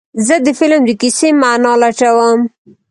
زه د فلم د کیسې معنی لټوم.